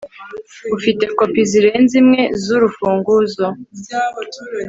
ufite kopi zirenze imwe zuru rufunguzo